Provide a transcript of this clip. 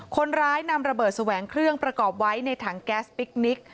คนร้ายนำระเบิดแสวงเครื่องประกอบไว้ในถังแก๊สพิคนิค